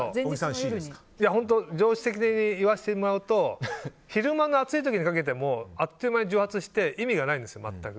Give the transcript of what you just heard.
本当に常識的に言わせてもらうと昼間の暑い時にかけてもあっという間に蒸発して意味がないんですよ、全く。